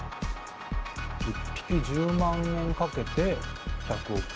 １匹１０万円かけて１００億円。